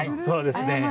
そうですね。